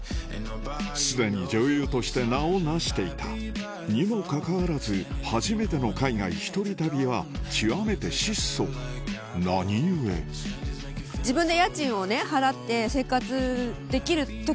すでに女優として名を成していたにもかかわらず初めての海外１人旅は極めて質素何故？でその。